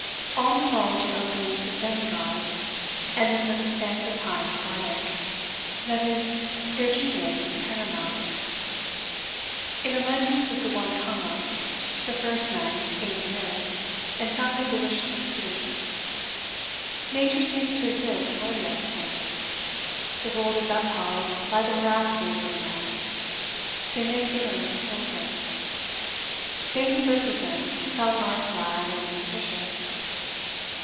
All mythology opens with demigods, and the circumstance is high and poetic; that is, their genius is paramount. In the legends of the Gautama, the first men ate the earth, and found it deliciously sweet. Nature seems to exist for the excellent. The world is upheld by the veracity of good men: they make the earth wholesome. They who lived with them found life glad and nutritious.